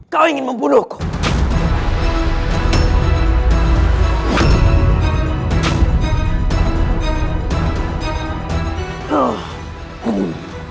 kau ingin membunuhku